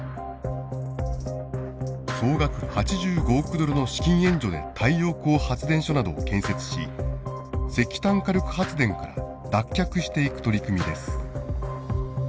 総額８５億ドルの資金援助で太陽光発電所などを建設し石炭火力発電から脱却していく取り組みです。